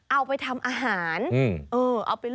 เอาไปทำอาหารเออเอาไปลวก